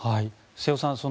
瀬尾さん